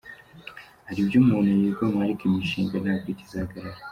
Hari ibyo umuntu yigomwa ariko imishinga ntabwo yigeze ihagarara.